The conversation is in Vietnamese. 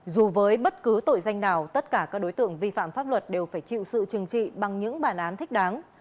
dù với bất cứ tội danh nào tất cả các đối tượng vi phạm pháp luật đều phải chịu sự trừng trị bằng những bản án thích đáng